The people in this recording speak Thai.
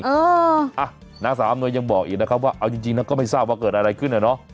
เอออ่ะนางสาวอำนวยยังบอกอีกนะครับว่าเอาจริงนะก็ไม่ทราบว่าเกิดอะไรขึ้นอ่ะเนอะ